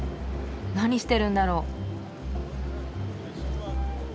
何してるんだろう？